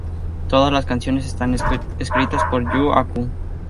Todas las canciones están escritas por Yū Aku.